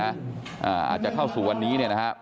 อาจจะเข้าสู่วันนี้เนี่ยนะครับ